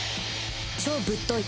超ぶっとい